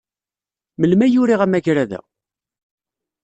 Melmi ay uriɣ amagrad-a?